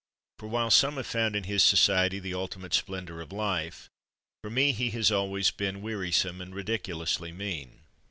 For while some have found in his society the ultimate splendour of life, for me he has always been wearisome and ridiculously mean.